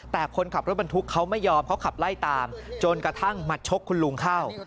แต่คนขับรถบรรทุกเขาไม่ยอมเขาขับไล่ตามจนกระทั่งมาชกคุณลุงเข้า